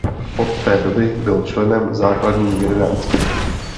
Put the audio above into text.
Od té doby byl členem základní jedenáctky.